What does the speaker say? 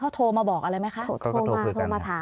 เขาโทรมาบอกอะไรไหมคะ